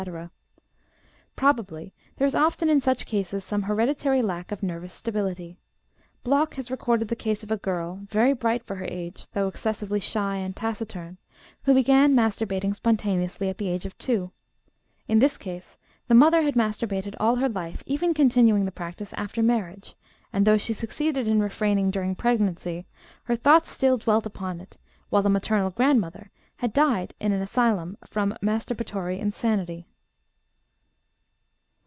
Probably there is often in such cases some hereditary lack of nervous stability. Block has recorded the case of a girl very bright for her age, though excessively shy and taciturn who began masturbating spontaneously at the age of two; in this case the mother had masturbated all her life, even continuing the practice after marriage, and, though she succeeded in refraining during pregnancy, her thoughts still dwelt upon it, while the maternal grandmother had died in an asylum from "masturbatory insanity."